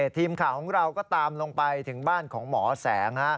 ทีมข่าวของเราก็ตามลงไปถึงบ้านของหมอแสง